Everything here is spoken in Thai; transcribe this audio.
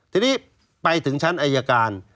ทีนี้ไปถึงชั้นอายการ